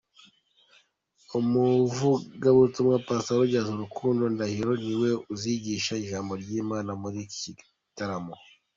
Umuvugabutumwa Pastor Rogers Rukundo Ndahiro, ni we uzigisha ijambo ry’Imana muri iki gitaramo.